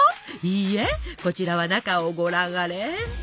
いいえこちらは中をご覧あれ！